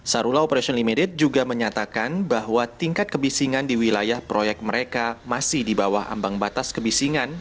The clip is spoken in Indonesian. sarula operation limited juga menyatakan bahwa tingkat kebisingan di wilayah proyek mereka masih di bawah ambang batas kebisingan